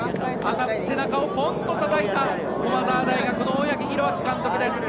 背中をポンとたたいた駒澤大学の大八木弘明監督です。